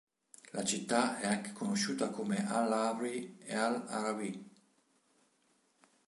La città è anche conosciuta come al-Arwī e al-'Arwī.